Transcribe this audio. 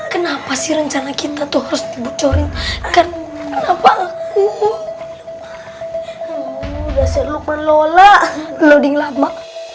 kenapa sih rencana kita tuh harus dibocorin kan kenapa aku udah selalu mengelola loading lama